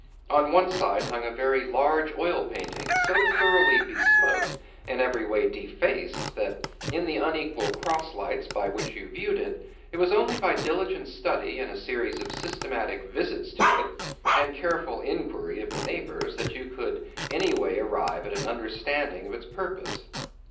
On one side hung a very large oilpainting so thoroughly besmoked, and every way defaced, that in the unequal crosslights by which you viewed it, it was only by diligent study and a series of systematic visits to it, and careful inquiry of the neighbors, that you could any way arrive at an understanding of its purpose.